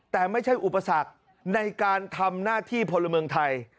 แต่ไม่ใช่อุปสรรคในการทำหน้าที่พลเมืองไทย